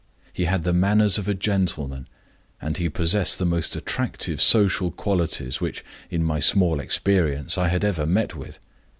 He had the manners of a gentleman, and he possessed the most attractive social qualities which, in my small experience, I had ever met with.